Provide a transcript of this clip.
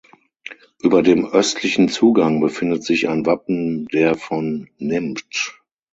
Über dem östlichen Zugang befindet sich ein Wappen der von Nimptsch.